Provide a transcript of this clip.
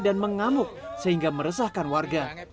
dan mengamuk sehingga meresahkan warga